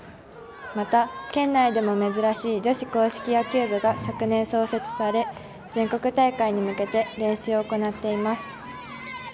また、県内でも珍しい女子硬式野球部が昨年創設され全国大会に向けて練習を行っています。